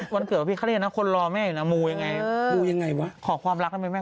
พูดข้างตัวเองหรอแม่